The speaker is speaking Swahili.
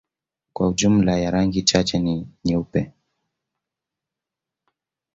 kwa jumla ya rangi chache ni nyeupe